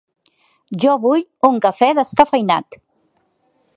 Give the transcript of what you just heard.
Jo vull un cafè descafeïnat.